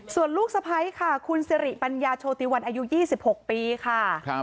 ส่วนลูกสะพ้ายค่ะคุณสิริปัญญาโชติวันอายุ๒๖ปีค่ะ